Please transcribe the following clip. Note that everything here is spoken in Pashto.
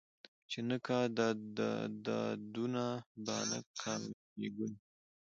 ـ چې نه کا دادونه بانه کا مېړونه.